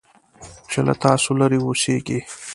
چې له تاسو لرې اوسيږي .